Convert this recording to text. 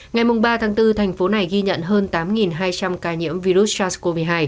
ngày ba bốn thành phố này ghi nhận hơn tám hai trăm linh ca nhiễm virus sars cov hai